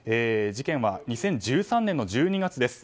事件は２０１３年の１２月です。